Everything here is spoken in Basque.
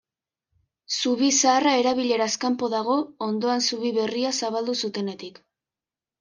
Zubi zaharra erabileraz kanpo dago, ondoan zubi berria zabaldu zutenetik.